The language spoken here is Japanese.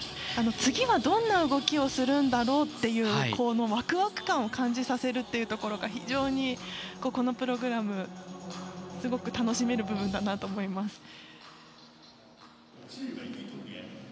次はどんな動きをするんだろうというワクワク感を感じさせるというのが非常にこのプログラム、すごく楽しめる部分だなと思います。